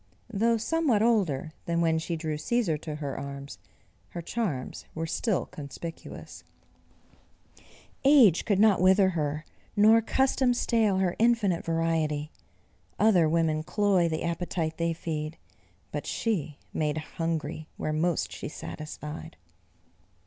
Though somewhat older than when she drew Cæsar to her arms, her charms were still conspicuous; "Age could not wither her, nor custom stale Her infinite variety. Other women cloy The appetite they feed. But she made hungry Where most she satisfied."